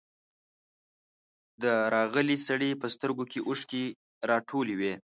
د راغلي سړي په سترګو کې اوښکې راټولې وې.